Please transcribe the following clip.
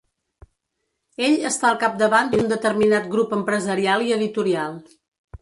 Ell està al capdavant d’un determinat grup empresarial i editorial.